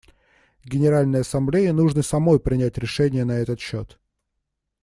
Генеральной Ассамблее нужно самой принять решение на этот счет.